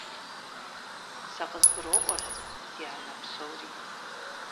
Сэ къызгуроӀуэр, дянэ, псори.